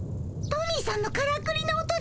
トミーさんのからくりの音だよ。